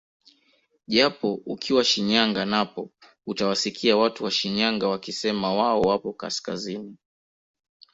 Japo ukiwa Shinyanga napo utawasikia watu wa Shinyanga wakisema wao wapo kaskazini